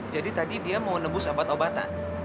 jadi tadi dia mau nebus obat obatan